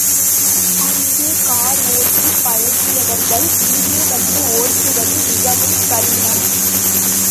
அங்கே கார் ஓட்டிப் பழகியவர்கள் இங்கே வந்து ஓட்டுவது மிகவும் கடினம்.